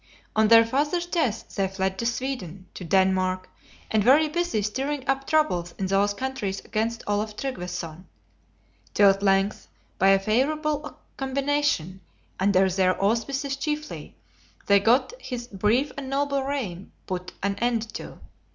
On their father's death they fled to Sweden, to Denmark, and were busy stirring up troubles in those countries against Olaf Tryggveson; till at length, by a favorable combination, under their auspices chiefly, they got his brief and noble reign put an end to.